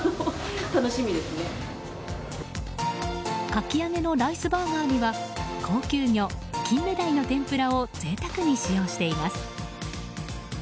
かきあげのライスバーガーには高級魚・金目鯛の天ぷらを贅沢に使用しています。